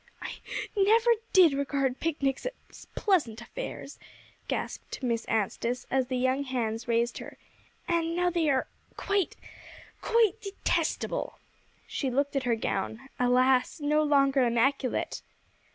"I never did regard picnics as pleasant affairs," gasped Miss Anstice, as the young hands raised her, "and now they are quite quite detestable." She looked at her gown, alas! no longer immaculate.